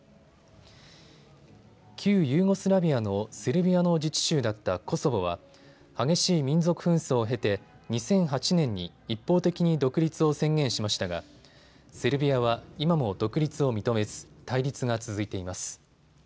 旧ユーゴスラビアのセルビアの自治州だったコソボは激しい民族紛争を経て２００８年に一方的に独立を宣言しましたがセルビアは今も独立を認めず対立が続いています。